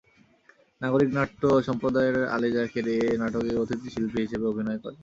নাগরিক নাট্য সম্প্রদায়ের আলী যাকের এ নাটকে অতিথি শিল্পী হিসেবে অভিনয় করবেন।